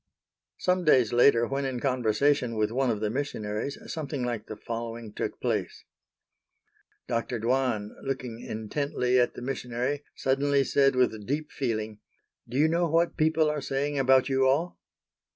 Some days later when in conversation with one of the missionaries something like the following took place: Dr. Dwan, looking intently at the missionary, suddenly said with deep feeling, "Do you know what people are saying about you all?"